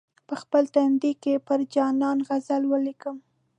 په خپل تندي کې پر جانان غزل ولیکم.